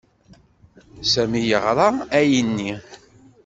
Sami yeɣra ayenni.